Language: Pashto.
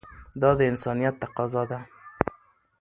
دا د انسانیت تقاضا ده.